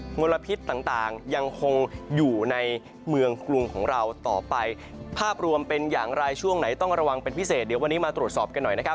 มลพิษต่างยังคงอยู่ในเมืองกรุงของเราต่อไปภาพรวมเป็นอย่างไรช่วงไหนต้องระวังเป็นพิเศษเดี๋ยววันนี้มาตรวจสอบกันหน่อยนะครับ